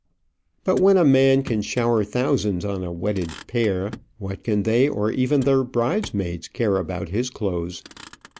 But when a man can shower thousands on a wedded pair, what do they, or even the bridesmaids, care about his clothes?